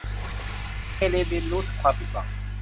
เฮเลนเรียนรู้ถึงความผิดหวัง